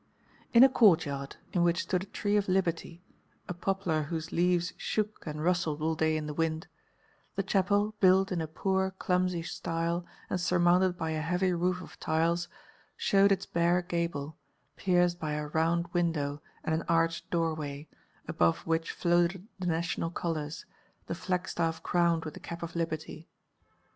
In a courtyard, in which stood a tree of Liberty, a poplar whose leaves shook and rustled all day in the wind, the chapel, built in a poor, clumsy style and surmounted by a heavy roof of tiles, showed its bare gable, pierced by a round window and an arched doorway, above which floated the National colours, the flagstaff crowned with the cap of Liberty.